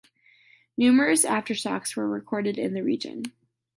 Numerous aftershocks were recorded in the region.